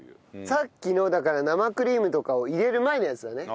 さっきのだから生クリームとかを入れる前のやつだね。